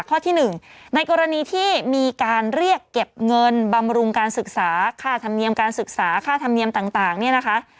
ข้อที่๑ในกรณีที่มีการเรียกเก็บเงินบำรุงการศึกษาค่าธรรมเนียมการศึกษาค่าธรรมเนียมต่างเนี่ยนะคะ